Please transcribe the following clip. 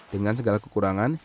dengan segala kekurangan